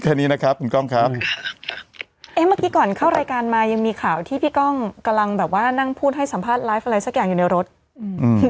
แค่นี้นะครับคุณก้องครับเอ๊ะเมื่อกี้ก่อนเข้ารายการมายังมีข่าวที่พี่ก้องกำลังแบบว่านั่งพูดให้สัมภาษณ์ไลฟ์อะไรสักอย่างอยู่ในรถอืม